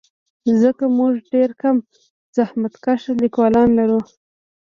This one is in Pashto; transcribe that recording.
ځکه موږ ډېر کم زحمتکښ لیکوالان لرو.